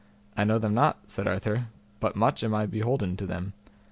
I know them not, said Arthur, but much I am beholden to them.